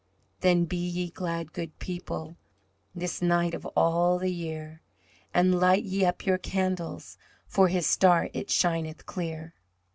Then be ye glad, good people, This night of all the year, And light ye up your candles, For His star it shineth clear.